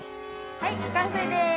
はい完成です！